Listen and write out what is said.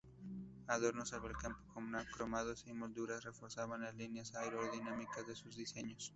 Adornos sobre el capó cromados y molduras reforzaban las líneas aerodinámicas de sus diseños.